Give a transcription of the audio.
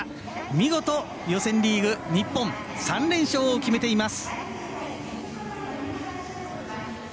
見事、予選リーグ日本、３連勝を決めています。